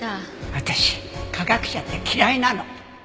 私科学者って嫌いなの！